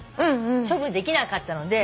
処分できなかったので。